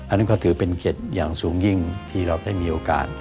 อันนั้นก็ถือเป็นเกียรติอย่างสูงยิ่งที่เราได้มีโอกาส